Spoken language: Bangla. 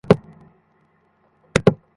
এটা তার অজান্তেই ঘটেছে, স্যার।